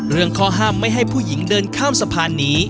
เรื่องข้อห้ามไม่ให้ผู้หญิงเดินข้ามสะพานนี้